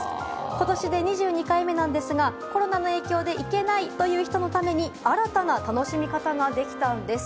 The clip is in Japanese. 今年で２２回目なんですがコロナの影響で行けないという人のために新たな楽しみ方ができたんです。